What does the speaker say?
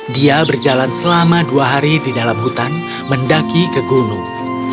dia berjalan selama dua hari di dalam hutan mendaki ke gunung